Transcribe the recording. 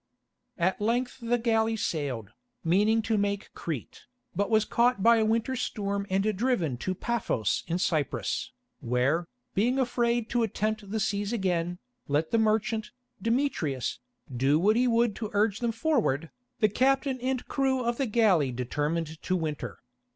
At length the galley sailed, meaning to make Crete, but was caught by a winter storm and driven to Paphos in Cyprus, where, being afraid to attempt the seas again, let the merchant, Demetrius, do what he would to urge them forward, the captain and crew of the galley determined to winter.